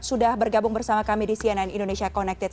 sudah bergabung bersama kami di cnn indonesia connected